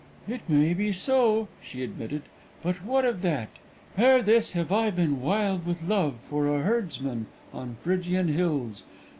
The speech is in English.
"It may be so," she admitted; "but what of that? Ere this have I been wild with love for a herdsman on Phrygian hills.